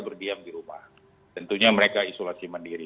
berdiam di rumah tentunya mereka isolasi mandiri